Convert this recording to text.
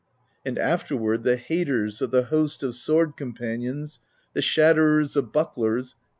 And afterward the haters Of the host of sword companions, The shatterers of bucklers.